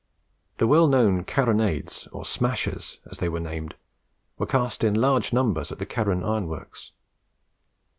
The well known Carronades, or "Smashers," as they were named, were cast in large numbers at the Carron Works.